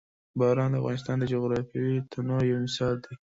باران د افغانستان د جغرافیوي تنوع یو مثال دی.